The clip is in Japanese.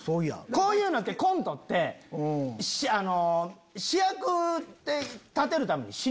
こういうのってコントって主役立てるために。